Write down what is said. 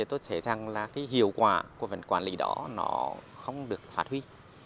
tôi thấy rằng hiệu quả của vấn đề quản lý đó không được phát huy